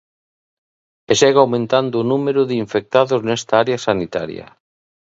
E segue aumentando o número de infectados nesta área sanitaria.